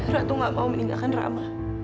ratu gak mau meninggalkan ramah